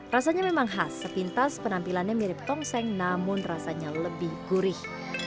rasanya memang khas sepintas penampilannya mirip tongseng namun rasanya lebih gurih